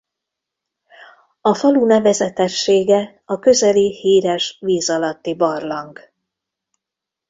A falu nevezetessége a közeli híres vízalatti barlang.